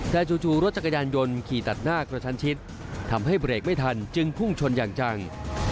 แต่จู่รถจักรยานยนต์ขี่ตัดหน้ากระชันชิดทำให้เบรกไม่ทันจึงพุ่งชนอย่างจัง